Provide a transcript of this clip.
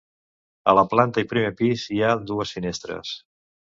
A la planta i primer pis hi ha dues finestres.